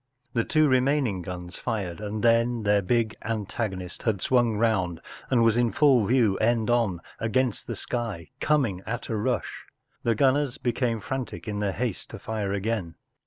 The two remaining guns fired, and then their big antagonist had swung round and was in full view, end on, against the sky, coming at a rush. The gunners became frantic in their haste to fire again.